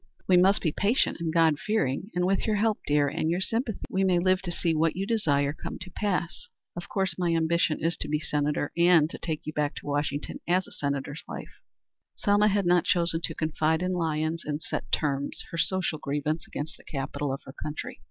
"We must be patient and God fearing, and with your help, dear, and your sympathy, we may live to see what you desire come to pass. Of course, my ambition is to be Senator, and and to take you back to Washington as a Senator's wife." Selma had not chosen to confide to Lyons in set terms her social grievance against the capital of her country.